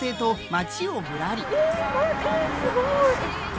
わすごい。